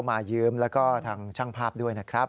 มายืมแล้วก็ทางช่างภาพด้วยนะครับ